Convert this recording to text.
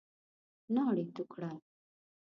ناړي تو کړه !